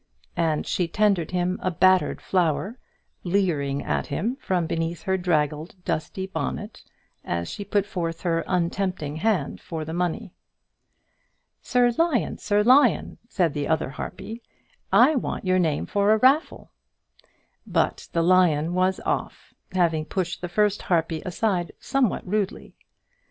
And she tendered him a battered flower, leering at him from beneath her draggled, dusty bonnet as she put forth her untempting hand for the money. "Sir Lion, Sir Lion," said the other harpy, "I want your name for a raffle." But the lion was off, having pushed the first harpy aside somewhat rudely.